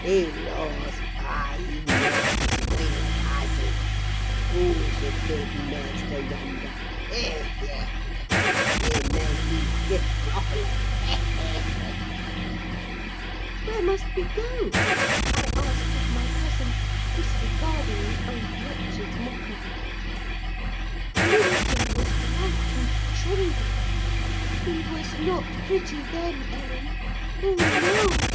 He knaws—ay, he knaws, as weel as I do, who sud be t' maister yonder—Ech, ech, ech! He made ye skift properly! Ech, ech, ech!' "'Where must we go?' I asked of my cousin, disregarding the old wretch's mockery. "Linton was white and trembling. He was not pretty then, Ellen: oh, no!